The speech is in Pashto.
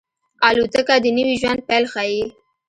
الوتکه د نوي ژوند پیل ښيي.